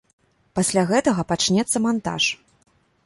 Пасля гэтага пачнецца мантаж.